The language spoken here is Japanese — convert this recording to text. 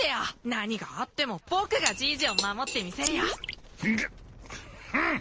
何があっても僕がじいじを守ってみせるよフン！